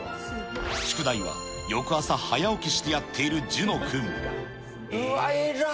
宿題は翌朝、早起きしてやっていうわっ、えら！